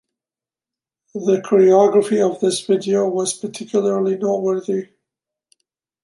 The choreography of this video was particularly noteworthy.